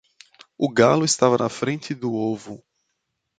O galo estava na frente do ovo.